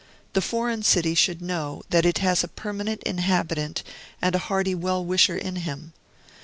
The foreign city should know that it has a permanent inhabitant and a hearty well wisher in him.